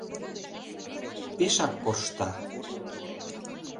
Пешак коршта.